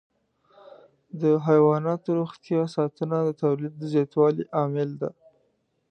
د حيواناتو روغتیا ساتنه د تولید د زیاتوالي عامل ده.